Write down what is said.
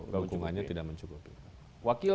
hukumannya tidak mencukupi wakil